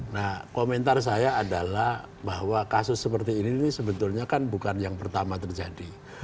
nah komentar saya adalah bahwa kasus seperti ini sebetulnya kan bukan yang pertama terjadi